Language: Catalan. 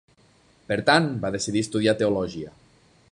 Per tant va decidir estudiar teologia.